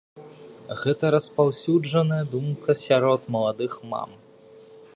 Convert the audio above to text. Гэта распаўсюджаная думка сярод маладых мам.